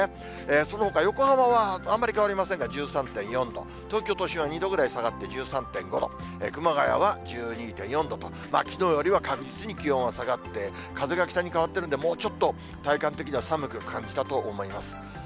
そのほか、横浜はあんまり変わりませんが、１３．４度、東京都心は２度ぐらい下がって１３．５度、熊谷は１２．４度ときのうよりは確実に気温は下がって、風が北に変わってるんで、もうちょっと体感的には寒く感じたと思います。